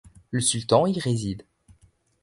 Le sultan y réside.